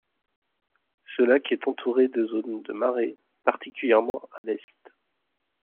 Ce lac est entouré de zones de marais, particulièrement à l’Est.